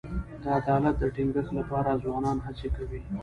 د عدالت د ټینګښت لپاره ځوانان هڅې کوي.